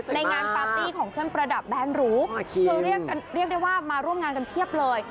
ในงานปาร์ตี้ของเครื่องประดับแบนหรูคือเรียกได้ว่ามาร่วมงานกันเพียบเลย